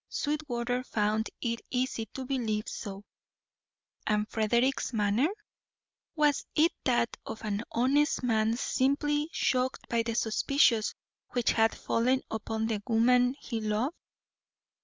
Sweetwater found it easy to believe so. And Frederick's manner? Was it that of an honest man simply shocked by the suspicions which had fallen upon the woman he loved?